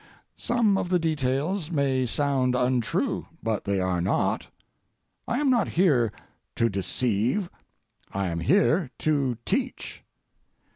Some of the details may sound untrue, but they are not. I am not here to deceive; I am here to teach.